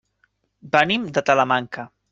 Venim de Talamanca.